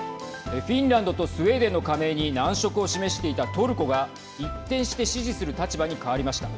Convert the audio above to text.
フィンランドとスウェーデンの加盟に難色を示していたトルコが一転して支持する立場に変わりました。